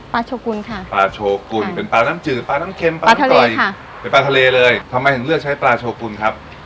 ปลาโชกุลค่ะเป็นปลาน้ำจืดปลาน้ำเค็มปลาทะเลค่ะเป็นปลาทะเลเลยทำไมถึงเลือกใช้ปลาโชกุลครับ